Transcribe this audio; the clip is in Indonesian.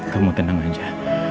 kamu tenang aja